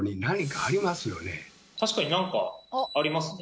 確かに何かありますね。